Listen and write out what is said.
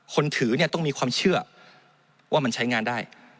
คนถือเนี่ยต้องมีความเชื่อว่ามันใช้งานได้